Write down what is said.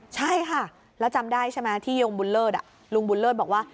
ใช่ค่ะแล้วจำได้ใช่ไหมที่ยงบุญเลิศลุงบุญเลิศบอกว่า